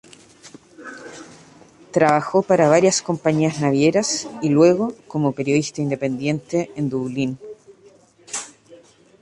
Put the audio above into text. Trabajó para varias compañías navieras y luego como periodista independiente en Dublín.